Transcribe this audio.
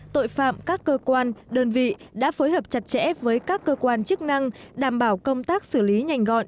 tội phạm các cơ quan đơn vị đã phối hợp chặt chẽ với các cơ quan chức năng đảm bảo công tác xử lý nhanh gọn